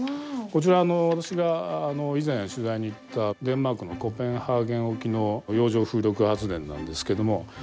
こちら私が以前取材に行ったデンマークのコペンハーゲン沖の洋上風力発電なんですけども。